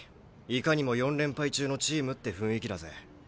いかにも４連敗中のチームって雰囲気だぜ。